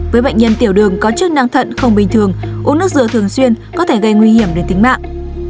với bệnh nhân tiểu đường có chức năng thận không bình thường uống nước dừa thường xuyên có thể gây nguy hiểm đến tính mạng